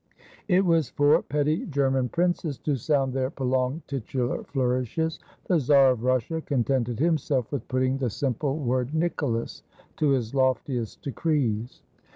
It was for petty German princes to sound their prolonged titular flourishes. The Czar of Russia contented himself with putting the simple word "NICHOLAS" to his loftiest decrees.